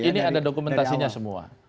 ini ada dokumentasinya semua